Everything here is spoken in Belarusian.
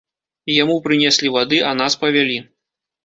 Яму прынеслі вады, а нас павялі.